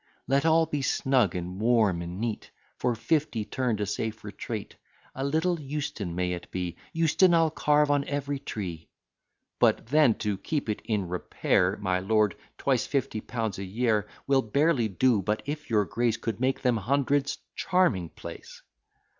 Let all be snug, and warm, and neat; For fifty turn'd a safe retreat, A little Euston may it be, Euston I'll carve on every tree. But then, to keep it in repair, My lord twice fifty pounds a year Will barely do; but if your grace Could make them hundreds charming place!